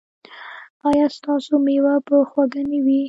ایا ستاسو میوه به خوږه نه وي؟